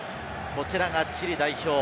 こちらがチリ代表。